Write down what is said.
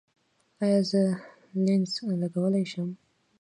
ایا زه لینز لګولی شم؟